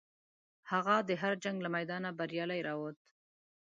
هغه د هر جنګ له میدانه بریالی راووت.